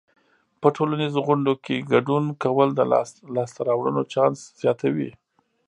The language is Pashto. په ټولنیزو غونډو کې ګډون کول د لاسته راوړنو چانس زیاتوي.